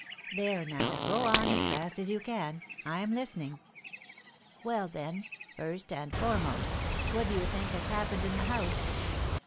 "There now, go on as fast as you can; I'm listening." "Well, then, first and foremost, what do you think has happened in the house?